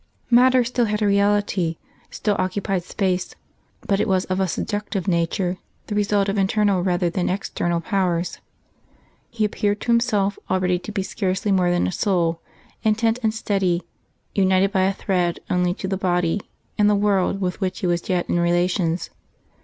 Matter still had a reality, still occupied space, but it was of a subjective nature, the result of internal rather than external powers. He appeared to himself already to be scarcely more than a soul, intent and steady, united by a thread only to the body and the world with which he was yet in relations.